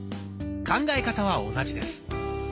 考え方は同じです。